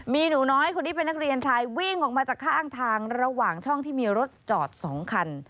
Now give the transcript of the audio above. มีหนูน้อยคนนี้เป็นนักเรียนชายวิ่งออกมาจากข้างทางระหว่างช่องที่มีรถจอด๒คัน